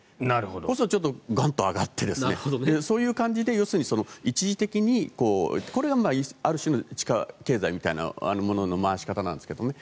そうするとガンと上がってそうやって要するに一時的にこれはある種の地下経済みたいな回し方なんですけどね。